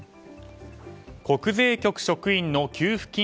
国税局職員の給付金